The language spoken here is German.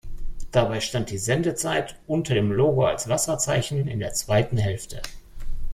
Dabei stand die Sendezeit unter dem Logo als Wasserzeichen in der zweiten Hälfte.